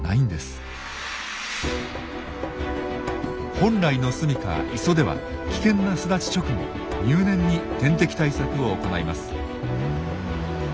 本来のすみか・磯では危険な巣立ち直後入念に天敵対策を行います。